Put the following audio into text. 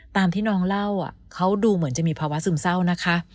ตามที่น้องเล่าเขาดูเหมือนจะมีภาวะซึมเศร้านะคะ